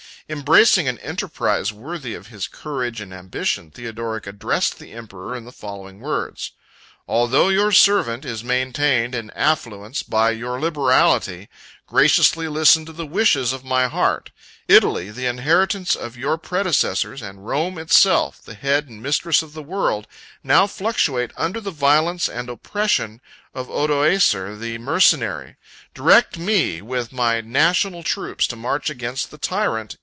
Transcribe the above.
Embracing an enterprise worthy of his courage and ambition, Theodoric addressed the emperor in the following words: "Although your servant is maintained in affluence by your liberality, graciously listen to the wishes of my heart! Italy, the inheritance of your predecessors, and Rome itself, the head and mistress of the world, now fluctuate under the violence and oppression of Odoacer the mercenary. Direct me, with my national troops, to march against the tyrant.